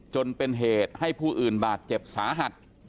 จนเป็นเหตุให้ผู้อื่นบาดเจ็บสาหัส